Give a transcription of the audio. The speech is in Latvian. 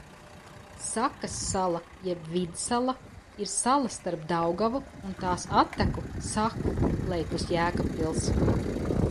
Sakas sala jeb Vidsala ir sala starp Daugavu un tās atteku Saku lejpus Jēkabpils.